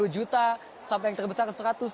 dua puluh juta sampai yang terbesar